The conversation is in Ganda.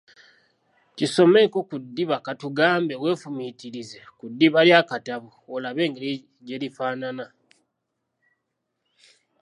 Kisomeeko ku ddiba ka tugambe weefumiitirize ku ddiba ly’akatabo olabe engeri gye lifaanana.